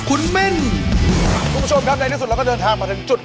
คุณมิ้นคุณผู้ชมครับในที่สุดเราก็เดินทางมาถึงจุด